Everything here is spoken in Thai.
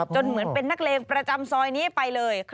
เหมือนเป็นนักเลงประจำซอยนี้ไปเลย